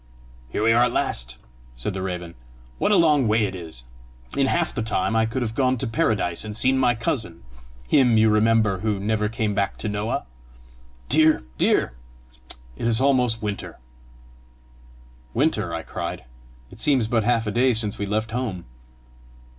"Here we are at last!" said the raven. "What a long way it is! In half the time I could have gone to Paradise and seen my cousin him, you remember, who never came back to Noah! Dear! dear! it is almost winter!" "Winter!" I cried; "it seems but half a day since we left home!"